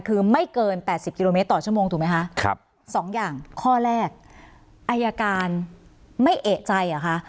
ถูกไหมคะครับสองอย่างข้อแรกอายการไม่เอกใจอ่ะคะ